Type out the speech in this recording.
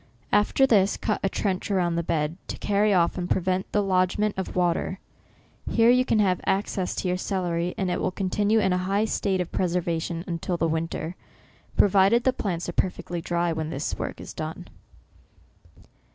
After this, cut a trench around the bed, to carry off and prevent the lodgement of water. Here you can have access to your celery, and it will continue in a high state of preservation during the winter : provided the 196 NOVEMBER. plants are perfectly dry when this work is done.